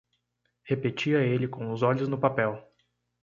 Repetia ele com os olhos no papel.